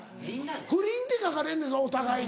不倫って書かれんねんぞお互い。